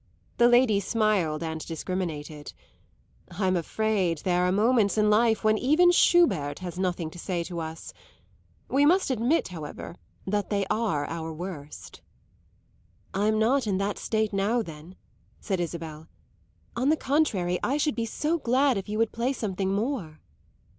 The lady smiled and discriminated. "I'm afraid there are moments in life when even Schubert has nothing to say to us. We must admit, however, that they are our worst." "I'm not in that state now then," said Isabel. "On the contrary I should be so glad if you would play something more."